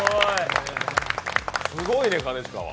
すごいね、兼近は。